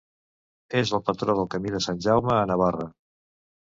És el patró del Camí de Sant Jaume a Navarra.